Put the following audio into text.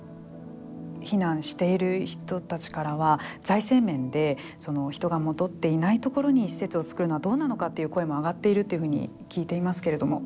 避難している人たちからは「財政面で、人が戻っていないところに施設を造るのはどうなのか」という声も上がっているというふうに聞いていますけれども。